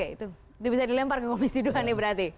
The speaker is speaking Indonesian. itu bisa dilempar ke komisi duan ini berarti